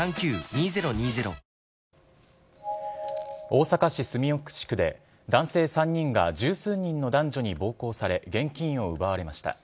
大阪市住吉区で、男性３人が十数人の男女に暴行され、現金を奪われました。